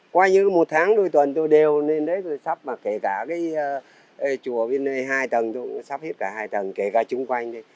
qua như một tháng đôi tuần tôi đều lên đấy tôi sắp mà kể cả cái chùa bên đây hai tầng tôi sắp hết cả hai tầng kể cả chung quanh đi